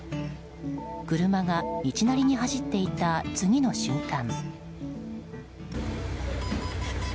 車が道なりに走っていた次の瞬間。